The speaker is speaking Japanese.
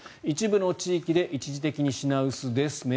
一部の地域で一時的に品薄です